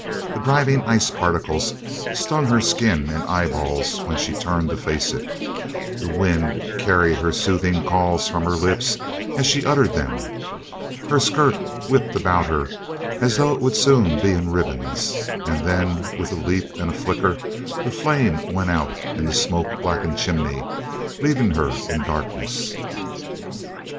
The driving ice particles stung her skin and eyeballs when she turned to face it, the wind carried her soothing calls from her lips as she uttered them, her skirt whipped about her as though it would soon be in ribbons, and then with a leap and a flicker the flame went out in the smoke blackened chimney, leaving her in darkness.